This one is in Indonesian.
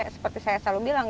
seperti saya selalu bilang